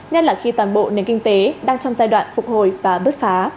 ngay lạc khi toàn bộ nền kinh tế đang trong giai đoạn phục hồi và bứt phá